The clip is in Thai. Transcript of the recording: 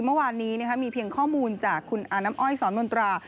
เมื่อวานนี้มีเพียงข้อมูลจากคุณอาน้ำอ้อยสอนมนตรา